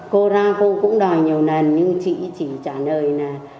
cô ra cô cũng đòi nhiều lần nhưng chị chỉ trả lời là